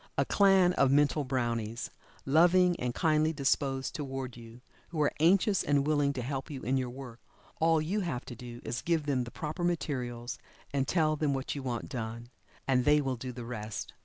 A clan of mental brownies, loving and kindly disposed toward you, who are anxious and willing to help you in your work. All you have to do is to give them the proper materials, and tell then what you want done, and they will do the rest.